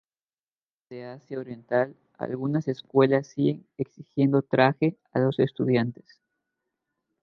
En varios países de Asia oriental, algunas escuelas siguen exigiendo traje a los estudiantes.